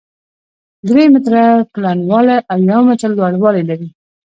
درې متره پلنوالی او يو متر لوړوالی لري،